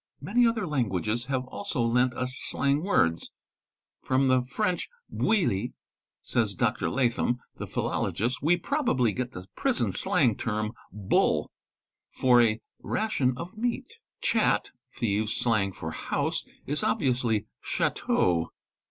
Many other languages have also lent us slang words. "From the French bowilli"' says Dr. Latham, the jhilologist, 'we probably get the prison slang term 'bull' for a ration of meat. Chat, thieves' slang for house, is obviously chdteau.